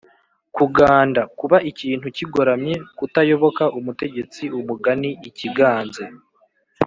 kuganda: kuba ikintu kigoramye; kutayoboka umutegetsi umugani: ikiganze